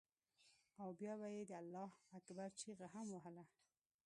او بيا به یې د الله اکبر چیغه هم وهله.